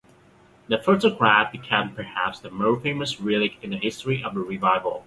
The photograph became perhaps the most famous relic in the history of the revival.